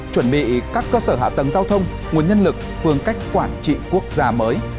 chuẩn bị các cơ sở hạ tầng giao thông nguồn nhân lực phương cách quản trị quốc gia mới